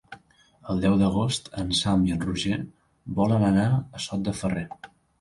El deu d'agost en Sam i en Roger volen anar a Sot de Ferrer.